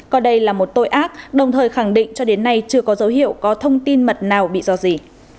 còn đây là một tội ác đồng thời khẳng định cho đến nay chưa có dấu hiệu có thông tin mật nào bị do gì